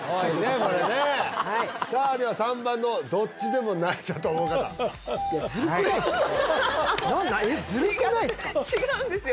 これねはいさあでは３番のどっちでもないだと思う方違う違うんですよ